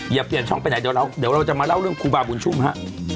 อย่าเปลี่ยนช่องไปไหนเดี๋ยวเราจะมาเล่าเรื่องครูบาบุญชุ่มฮะ